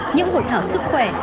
những hội thảo sức khỏe